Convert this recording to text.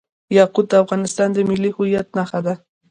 یاقوت د افغانستان د ملي هویت نښه ده.